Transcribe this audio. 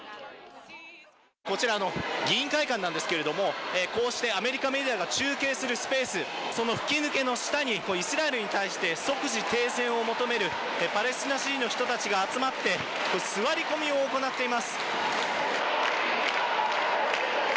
こちら、議員会館なんですけれども、こうしてアメリカメディアが中継するスペース、その吹き抜けの下に、イスラエルに対して即時停戦を求めるパレスチナ支持の人たちが集まって、座り込みを行っています。